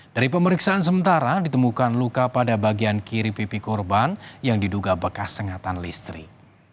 dari pemeriksaan sementara ditemukan luka pada bagian kiri pipi korban yang diduga bekas sengatan listrik